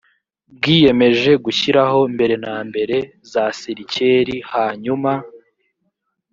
bwiyemeje gushyiraho mbere na mbere za serikeri hanyuma